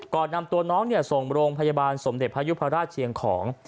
นำตัวน้องส่งโรงพยาบาลสมเด็จพระยุพราชเชียงของ